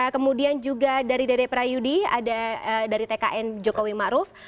kemudian juga dari dede prayudi ada dari tkn jokowi ma'ruf